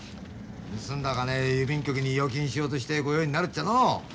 盗んだ金郵便局に預金しようとして御用になるちゃのう。